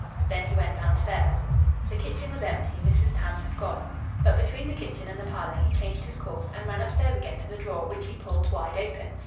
Then he went downstairs. The kitchen was empty; Mrs. Tams had gone. But between the kitchen and the parlour he changed his course, and ran upstairs again to the drawer, which he pulled wide open.